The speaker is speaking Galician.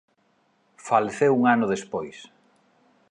Faleceu un ano despois.